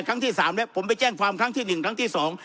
ครั้งที่สามแล้วผมไปแจ้งความครั้งที่หนึ่งครั้งที่สอง